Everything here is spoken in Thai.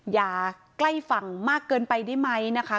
อย่าใกล้ฝั่งมากเกินไปได้ไหมนะคะ